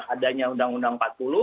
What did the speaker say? adanya undang undang empat puluh